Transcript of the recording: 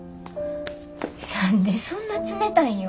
何でそんな冷たいんよ。